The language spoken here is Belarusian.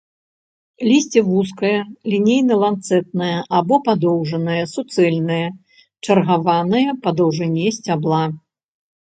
Лісце вузкае, лінейна-ланцэтнае або падоўжанае, суцэльнае, чаргаванае па даўжыні сцябла.